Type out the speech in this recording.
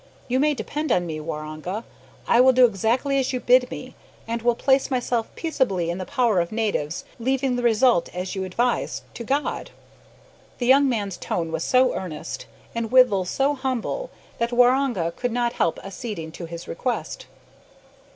You may depend on me, Waroonga. I will do exactly as you bid me, and will place myself peaceably in the power of natives leaving the result, as you advise, to God." The young man's tone was so earnest, and withal so humble, that Waroonga could not help acceding to his request.